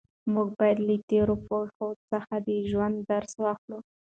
موږ باید له تېرو پېښو څخه د ژوند درس واخلو.